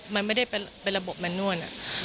มันไม่ได้เป็นระบบแมนนวล